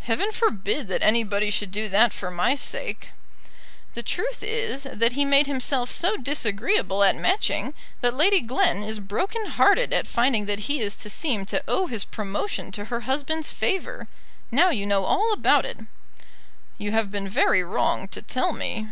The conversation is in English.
"Heaven forbid that anybody should do that for my sake." "The truth is that he made himself so disagreeable at Matching that Lady Glen is broken hearted at finding that he is to seem to owe his promotion to her husband's favour. Now you know all about it." "You have been very wrong to tell me."